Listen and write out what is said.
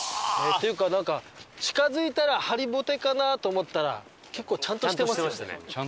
っていうかなんか近付いたら張りぼてかなと思ったら結構ちゃんとしてますよね。